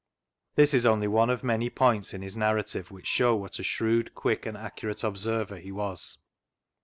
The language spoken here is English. This is only one of many points in his narrative which show what a shrewd, quick, and accurate observer he was.